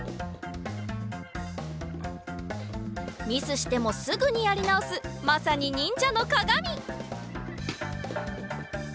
ミスしてもすぐにやりなおすまさににんじゃのかがみ。